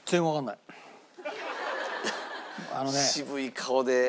渋い顔で。